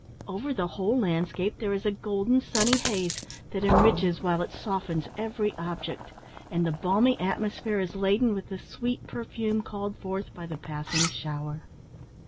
Over the whole landscape there is a golden sunny haze, that enriches while it softens every object, and the balmy atmosphere is laden with the sweet perfume called forth by the passing shower.